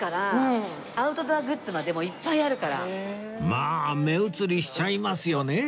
まあ目移りしちゃいますよね